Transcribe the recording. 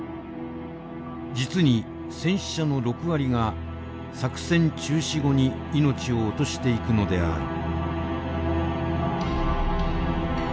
実に戦死者の６割が作戦中止後に命を落としていくのである。